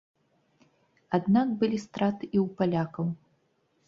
Аднак былі страты і ў палякаў.